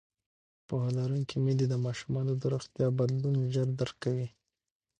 پوهه لرونکې میندې د ماشومانو د روغتیا بدلون ژر درک کوي.